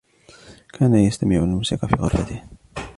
كان يستمع إلى الموسيقى في غرفته.